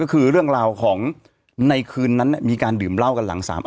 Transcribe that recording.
ก็คือเรื่องราวของในคืนนั้นมีการดื่มเหล้ากันหลังสาม